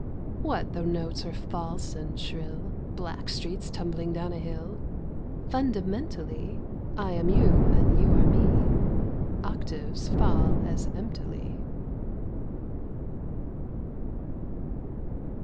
What though notes are false and shrill Black streets tumbling down a hill ? Fundamentally I am you and you are me — Octaves fall as emptily.